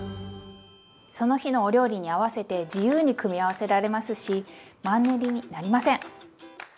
その日のお料理に合わせて自由に組み合わせられますしマンネリになりません！